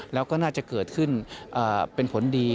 แล้วก็น่าจะเกิดขึ้นเป็นผลดี